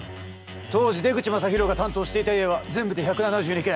当時出口聖大が担当していた家は全部で１７２軒。